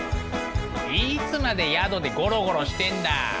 いつまで宿でゴロゴロしてんだ！